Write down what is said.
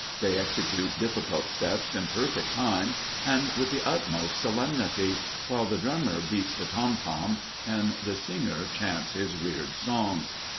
They execute difficult steps in perfect time and with the utmost solemnity, while the drummer beats the tom tom, and the singer chants his weird songs.